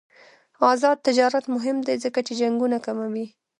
آزاد تجارت مهم دی ځکه چې جنګونه کموي.